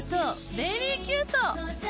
ベリーキュート！